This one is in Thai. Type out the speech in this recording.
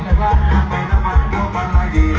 มีท่านเลยท่านเลย